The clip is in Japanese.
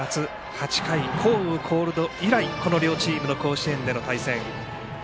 ８回降雨コールド以来この両チームの甲子園での対戦。